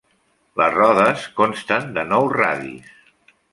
Les rodes consten de nou radis.